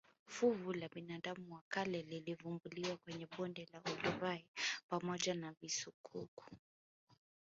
Fuvu la binadamu wa kale lilivumbuliwa kwenye bonde la olduvai pamoja na visukuku